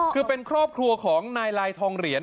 คือเป็นครอบครัวของนายลายทองเหรียญ